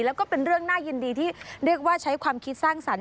แล้วก็เป็นเรื่องน่ายินดีที่เรียกว่าใช้ความคิดสร้างสรรค